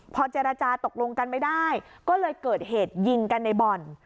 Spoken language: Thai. พอเจรจาตกลงกันไม่ได้ก็เลยเกิดเหตุยิงกันในบ่อน